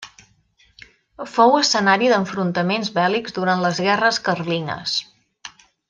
Fou escenari d'enfrontaments bèl·lics durant les guerres carlines.